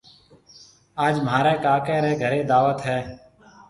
آج مهاريَ ڪاڪي رَي گھريَ دعوت هيَ۔